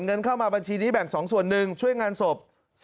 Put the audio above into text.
เงินเข้ามาบัญชีนี้แบ่ง๒ส่วนหนึ่งช่วยงานศพ